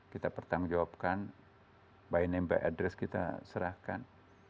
kita bertanggung jawabkan by name by address kita serahkan